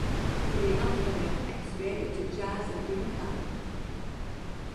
Il est l’entraîneur actuel du Jazz de l'Utah.